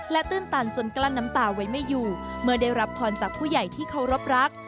ตื้นตันจนกลั้นน้ำตาไว้ไม่อยู่เมื่อได้รับพรจากผู้ใหญ่ที่เคารพรัก